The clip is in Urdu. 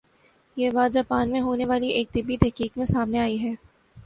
یہ بات جاپان میں ہونے والی ایک طبی تحقیق میں سامنے آئی ہے